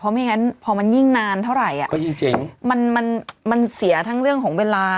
เพราะไม่งั้นพอมันยิ่งนานเท่าไหร่มันเสียทั้งเรื่องของเวลา